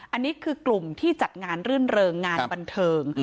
อันนี้คือกลุ่มที่จัดงานรื่นเริงงานบันเทิง